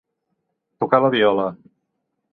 Tocar la viola.